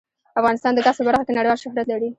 افغانستان د ګاز په برخه کې نړیوال شهرت لري.